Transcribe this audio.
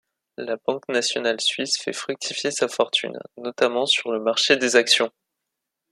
La Banque nationale suisse fait fructifier sa fortune, notamment sur le marché des actions.